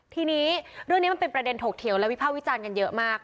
ทีนี้เรื่องนี้มันเป็นประเด็นถกเถียงและวิภาควิจารณ์กันเยอะมาก